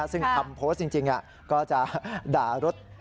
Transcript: ซึ่งคำโพสต์จริงก็จะด่ารถ